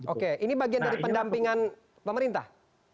oke ini bagian dari pendampingan pemerintah